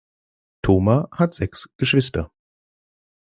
Thoma hat sechs Geschwister.